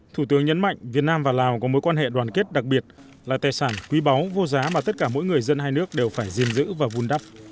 thủ tướng nhấn mạnh việt nam và lào có mối quan hệ đoàn kết đặc biệt là tài sản quý báu vô giá mà tất cả mỗi người dân hai nước đều phải diêm giữ và vun đắp